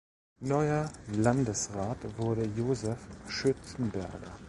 Neuer Landesrat wurde Josef Schützenberger.